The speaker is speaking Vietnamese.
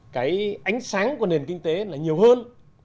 cái ánh sáng của nền kinh tế là nhiều hơn